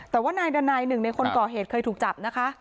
แต่ว่านายดันัยหนึ่งในคนก่อเหตุเคยถูกจับนะคะ